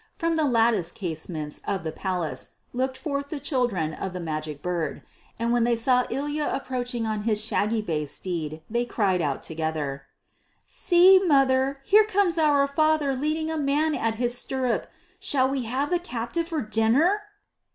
From the latticed casements of the palace looked forth the children of the Magic Bird, and when they saw Ilya approaching on his shaggy bay steed they cried out together, "See, Mother, here comes our Father leading a man at his stirrup. Shall we have the captive for dinner?"